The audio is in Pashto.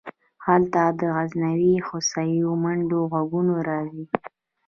هلته د غرنیو هوسیو د منډو غږونه راځي